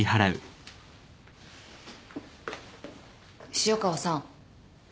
潮川さん。